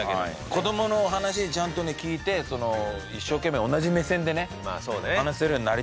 子どもの話ちゃんとね聞いて一生懸命同じ目線でね話せるようになりたいなって思いましたね。